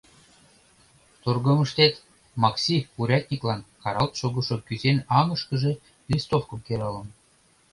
Тургымыштет Макси урядниклан каралт шогышо кӱсен аҥышкыже листовкым кералын...